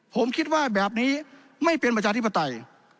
ผมคิดว่าแบบนี้ไม่เป็นประชาธิปไตย